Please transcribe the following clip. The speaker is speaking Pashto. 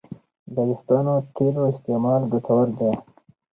د وېښتیانو تېلو استعمال ګټور دی.